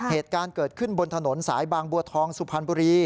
เหตุการณ์เกิดขึ้นบนถนนสายบางบัวทองสุพรรณบุรี